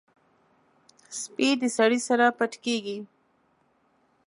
سپي د سړي سره پټ کېږي.